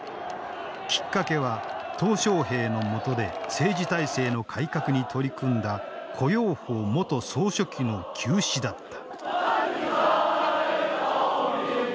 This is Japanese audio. きっかけは小平の下で政治体制の改革に取り組んだ胡耀邦元総書記の急死だった。